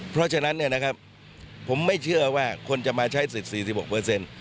เพราะฉะนั้นเนี่ยนะครับผมไม่เชื่อว่าคนจะมาใช้สิทธิ์๔๖เปอร์เซ็นต์